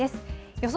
予想